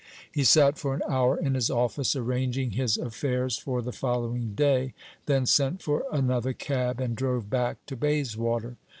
He sat for an hour in his office, arranging his affairs for the following day, then sent for another cab, and drove back to Bayswater.